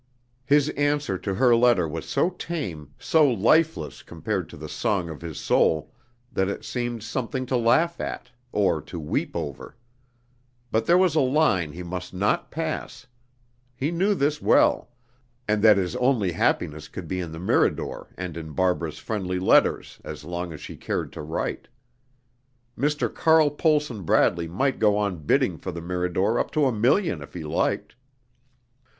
His answer to her letter was so tame, so lifeless compared to the song of his soul, that it seemed something to laugh at or to weep over. But there was a line he must not pass. He knew this well, and that his only happiness could be in the Mirador and in Barbara's friendly letters, as long as she cared to write. Mr. Carl Pohlson Bradley might go on bidding for the Mirador up to a million if he liked.